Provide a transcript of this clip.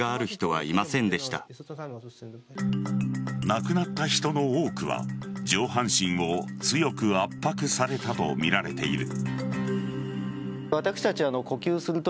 亡くなった人の多くは上半身を強く圧迫されたとみられている。